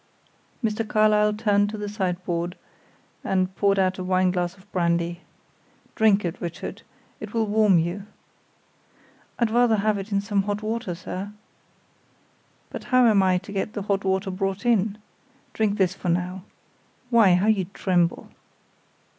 Mr. Carlyle turned to the sideboard and poured out a wineglass of brandy. "Drink it, Richard, it will warm you." "I'd rather have it in some hot water, sir." "But how am I to get the hot water brought in? Drink this for now. Why, how you tremble."